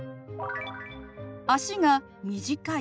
「足が短い」。